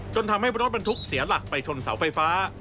ทำให้รถบรรทุกเสียหลักไปชนเสาไฟฟ้า